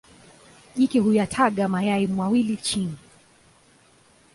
Jike huyataga mayai mawili chini.